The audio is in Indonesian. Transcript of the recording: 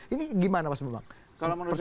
ini gimana mas bambang